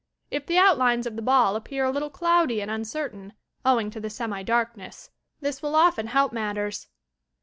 If the outlines of the ball appear a little cloudy and uncertain, owing to the semi darkness, this will often help matters.